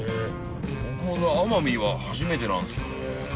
僕が奄美は初めてなんですよね。